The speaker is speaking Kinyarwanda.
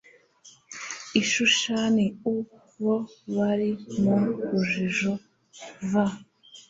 i Shushani u bo bari mu rujijo v